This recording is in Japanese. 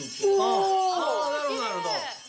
あなるほどなるほど。